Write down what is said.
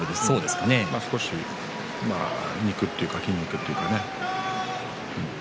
少し肉というか筋肉というか。